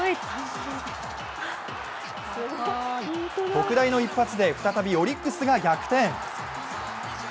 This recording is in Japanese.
特大の一発で再びオリックスが逆転。